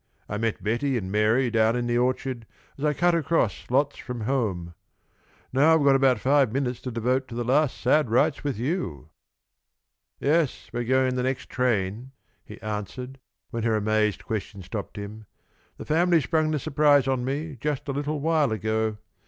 "I met Betty and Mary down in the orchard as I cut across lots from home. Now I've got about five minutes to devote to the last sad rites with you." "Yes, we're going on the next train," he answered, when her amazed question stopped him. "The family sprung the surprise on me just a little while ago.